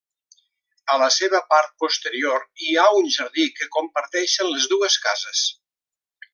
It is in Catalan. A la seva part posterior hi ha un jardí que comparteixen les dues cases.